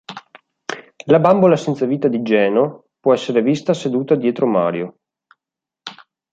La bambola senza vita di Geno può essere vista seduta dietro Mario.